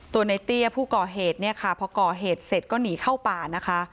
ในเตี้ยผู้ก่อเหตุเนี่ยค่ะพอก่อเหตุเสร็จก็หนีเข้าป่านะคะ